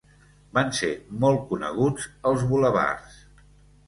Van ser molt coneguts els bulevards.